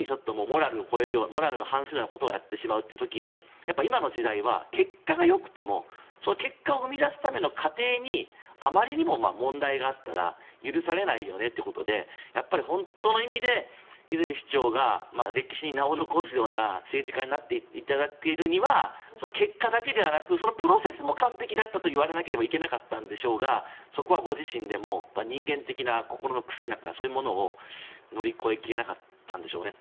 時にはモラルに反するようなことをやってしまうという時に今の時代は結果がよくても結果を生み出すための過程にあまりにも問題があったら許されないよねということでやっぱり本当の意味で泉市長が歴史に名を残すような政治家になっていただけるには結果だけではなくプロセスも完璧だったと言われなきゃいけなかったんでしょうがそこはご自身でも人間的な心の癖なのかそういうものを乗り越え切れなかったんでしょうね